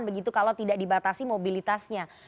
begitu kalau tidak dibatasi mobilitasnya